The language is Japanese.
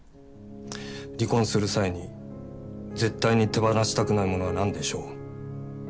離婚する際に絶対に手放したくないものは何でしょう？